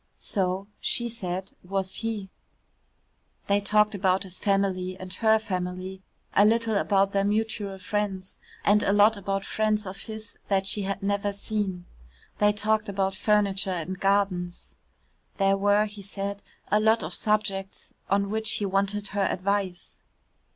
So, she said, was he. They talked about his family and her family a little about their mutual friends and a lot about friends of his that she had never seen. They talked about furniture and gardens. There were, he said, a lot of subjects on which he wanted her advice.